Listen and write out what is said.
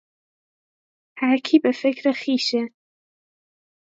هر کی به فکر خویشه